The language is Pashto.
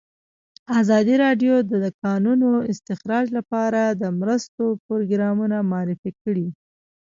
ازادي راډیو د د کانونو استخراج لپاره د مرستو پروګرامونه معرفي کړي.